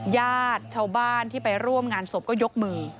ญาติชาวบ้านที่ไปร่วมงานศพก็ยกมือ